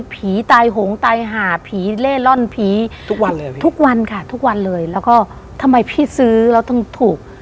ตายหงตายหาผีเล่ร่อนผีทุกวันเลยทุกวันค่ะทุกวันเลยแล้วก็ทำไมพี่ซื้อแล้วต้องถูก